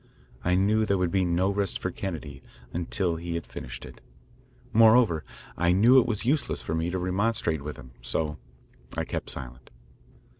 I knew there would be no rest for Kennedy until he had finished it. Moreover, I knew it was useless for me to remonstrate with him, so I kept silent.